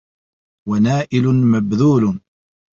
وَنَائِلٌ مَبْذُولٌ